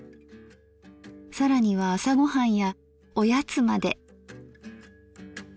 更には朝ご飯やおやつまで。